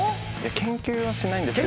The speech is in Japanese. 研究はしないんですけど。